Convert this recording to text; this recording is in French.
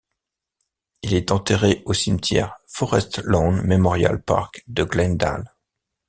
Il est enterré au cimetière Forest Lawn Memorial Park de Glendale.